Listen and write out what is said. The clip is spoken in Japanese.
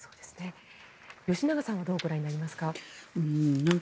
吉永さんはどうご覧になりますか？